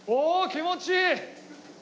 気持ちいい！